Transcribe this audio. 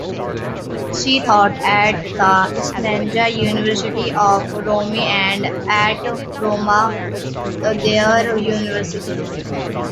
She taught at the Sapienza University of Rome and at Roma Tre University.